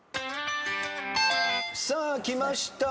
さあきました。